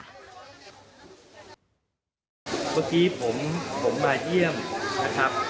เมื่อกี้ผมมาเยี่ยมนะครับ